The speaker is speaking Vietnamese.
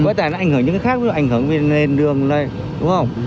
với tài nạn ảnh hưởng những cái khác ảnh hưởng về nền đường này đúng không